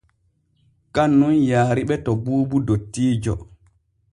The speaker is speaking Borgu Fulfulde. Kan nun yaariɓe to Buubu dottiijo.